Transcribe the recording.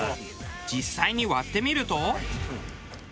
実際に割ってみると。